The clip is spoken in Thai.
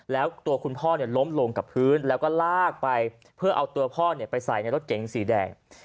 แล้วตัวคุณพ่อล้มลงกับพื้นแล้วก็ลากไปเพื่อเอาตัวพ่อไปใส่ในรถเก๋งสีแดง